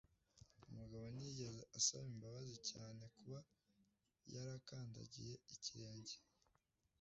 Umugabo ntiyigeze asaba imbabazi cyane kuba yarakandagiye ikirenge.